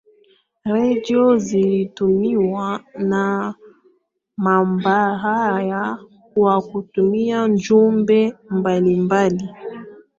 redio zilitumiwa na mabaharia kwa kutuma jumbe mbalimbali